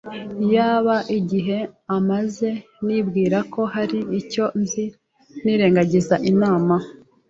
Yaba igihe namaze nibwira ko hari icyo nzi nirengagiza Imana,